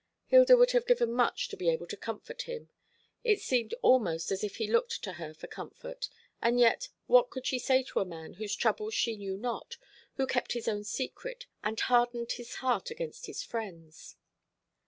Hilda would have given much to be able to comfort him. It seemed almost as if he looked to her for comfort, and yet what could she say to a man whose troubles she knew not, who kept his own secret, and hardened his heart against his friends?